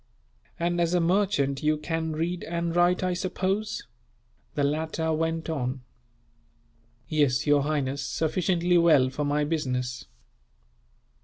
"And as a merchant, you can read and write, I suppose?" the latter went on. "Yes, your highness, sufficiently well for my business."